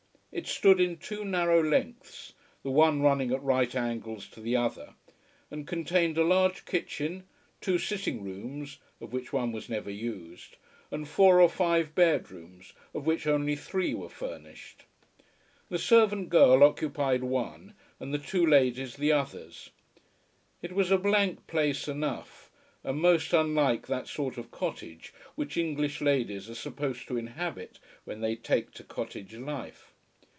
It stood in two narrow lengths, the one running at right angles to the other; and contained a large kitchen, two sitting rooms, of which one was never used, and four or five bed rooms of which only three were furnished. The servant girl occupied one, and the two ladies the others. It was a blank place enough, and most unlike that sort of cottage which English ladies are supposed to inhabit, when they take to cottage life.